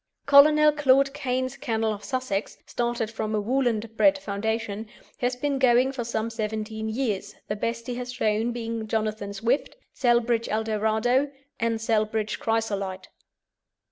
Colonel Claude Cane's kennel of Sussex, started from a "Woolland bred" foundation, has been going for some seventeen years, the best he has shown being Jonathan Swift, Celbridge Eldorado, and Celbridge Chrysolite.